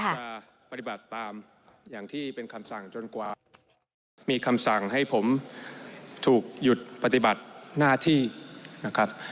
ปฏิบัติตามอย่างที่เป็นคำสั่งจนกว่ามีคำสั่งให้ผมถูกหยุดปฏิบัติหน้าที่นะครับ